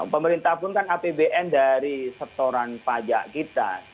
pemerintah pun kan apbn dari setoran pajak kita